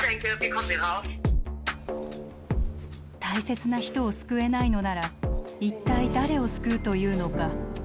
大切な人を救えないのなら一体誰を救うというのか。